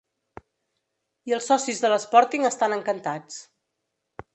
I els socis de l'Sporting estan encantats.